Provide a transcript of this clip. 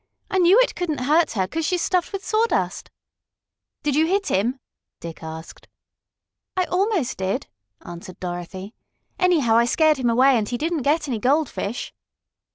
"I knew it couldn't hurt her, 'cause she's stuffed with sawdust." "Did you hit him?" Dick asked. "I almost did," answered Dorothy. "Anyhow, I scared him away, and he didn't get any goldfish."